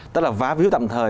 tức là vá view tạm thời